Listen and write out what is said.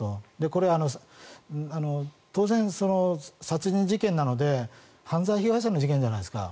これ、当然、殺人事件なので犯罪被害者の事件じゃないですか。